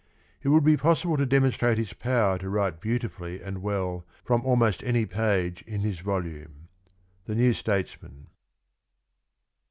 It would be possible to demonstrate his power to write beautifully and well from almost any page in his volume. — The New Statesman.